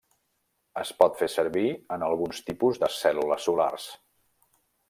Es pot fer servir en alguns tipus de cèl·lules solars.